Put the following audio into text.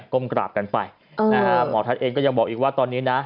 ก้มกราบกันไปนะฮะหมอทัศน์เองก็ยังบอกอีกว่าตอนนี้นะ